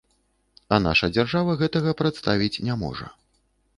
А наша дзяржава гэтага прадставіць не можа.